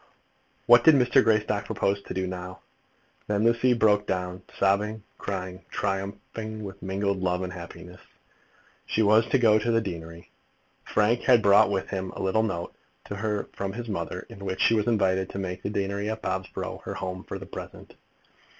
What did Mr. Greystock propose to do now? Then Lucy broke down, sobbing, crying, triumphing, with mingled love and happiness. She was to go to the deanery. Frank had brought with him a little note to her from his mother, in which she was invited to make the deanery at Bobsborough her home for the present.